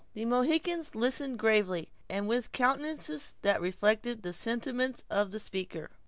The Mohicans listened gravely, and with countenances that reflected the sentiments of the speaker.